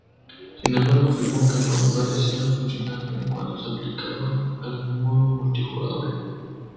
Sin embargo, afirmó que no parecían funcionar bien cuando se aplicaba al modo multijugador.